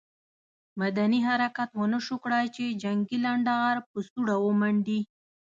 مدني حرکت ونه شو کړای چې جنګي لنډه غر په سوړه ومنډي.